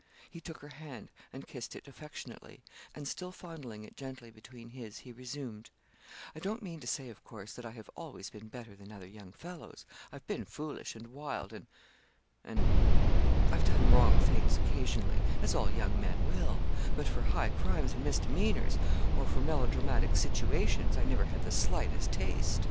He took her hand, and kissed it affectionately, and still fondling it gently between his, he resumed 'I don't mean to say, of course, that I have always been better than other young fellows; I've been foolish, and wild, and and I've done wrong things, occasionally as all young men will; but for high crimes and misdemeanors, or for melodramatic situations, I never had the slightest taste.